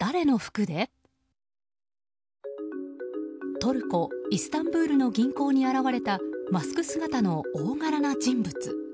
トルコ・イスタンブールの銀行に現れたマスク姿の大柄な人物。